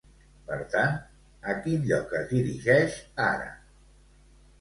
Per tant, a quin lloc es dirigeix ara?